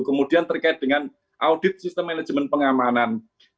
kemudian terkait dengan audit sistem manajemen pengamanan